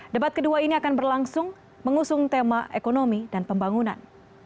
debat kedua ini akan berlangsung mengusung tema ekonomi dan pembangunan